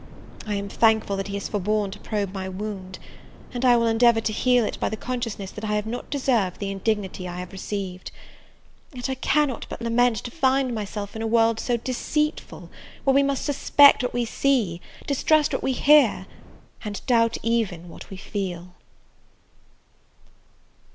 I am thankful that he has forborne to probe my wound; and I will endeavour to heal it by the consciousness that I have not deserved the indignity I have received. Yet I cannot but lament to find myself in a world so deceitful, where we must suspect what we see, distrust what we hear, and doubt even what we feel!